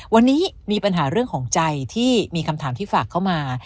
วันนี้มีปัญหาเรื่องของใจที่มีคำถามที่ฝากเข้ามา